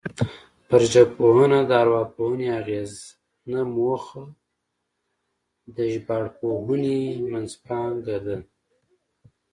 پر ژبپوهنه د ارواپوهنې اغېز نه موخه د ژبارواپوهنې منځپانګه ده